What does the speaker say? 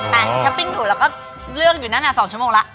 ไปข้อปปิ้งถูกเราก็เลือกอยู่นั้นน่ะ๒ชมละ